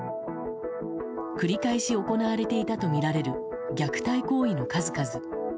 繰り返し行われていたとみられる虐待行為の数々。